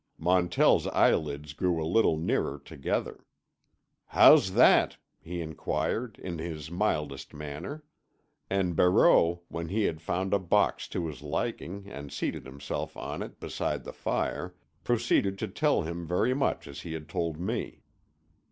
Montell's eyelids drew a little nearer together. "How's that?" he inquired, in his mildest manner. And Barreau, when he had found a box to his liking and seated himself on it beside the fire, proceeded to tell him very much as he had told me.